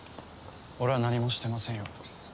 俺は何もしてませんよ。